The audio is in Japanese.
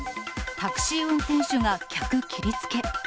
タクシー運転手が客切りつけ。